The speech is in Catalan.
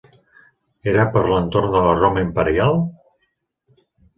Era per l'entorn de la Roma imperial?